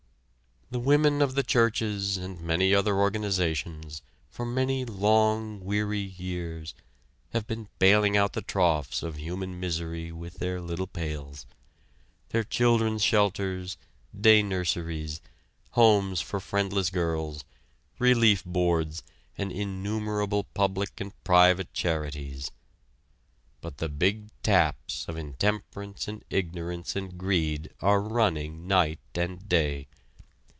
The women of the churches and many other organizations for many long weary years have been bailing out the troughs of human misery with their little pails; their children's shelters, day nurseries, homes for friendless girls, relief boards, and innumerable public and private charities; but the big taps of intemperance and ignorance and greed are running night and day.